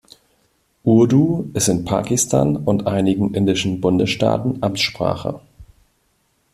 Urdu ist in Pakistan und einigen indischen Bundesstaaten Amtssprache.